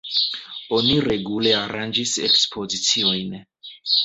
Oni regule aranĝis ekspoziciojn.